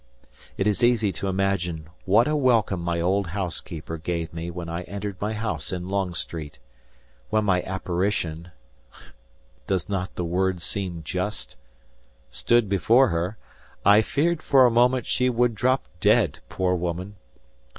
It is easy to imagine what a welcome my old housekeeper gave me when I entered my house in Long Street. When my apparition—does not the word seem just—stood before her, I feared for a moment she would drop dead, poor woman!